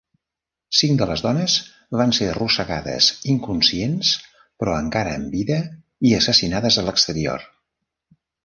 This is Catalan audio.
Cinc de les dones van ser arrossegades, inconscients però encara amb vida, i assassinades a l'exterior.